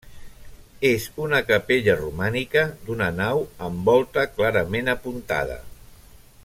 És una capella romànica, d'una nau amb volta clarament apuntada.